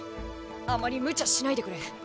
あまりむちゃしないでくれ。